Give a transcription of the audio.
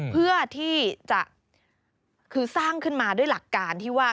เพื่อที่จะคือสร้างขึ้นมาด้วยหลักการที่ว่า